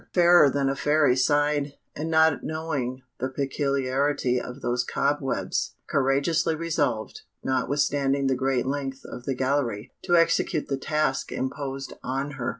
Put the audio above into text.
Fairer than a Fairy sighed, and not knowing the peculiarity of those cobwebs, courageously resolved, notwithstanding the great length of the gallery, to execute the task imposed on her.